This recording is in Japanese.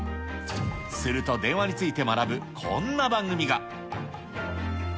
すると電話について学ぶこんな番組が。